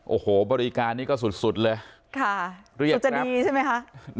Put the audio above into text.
โอ้โหบริการนี้ก็สุดเลยค่ะเรียบจะดีใช่ไหมคะ